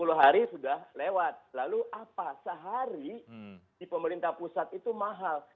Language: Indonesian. sepuluh hari sudah lewat lalu apa sehari di pemerintah pusat itu mahal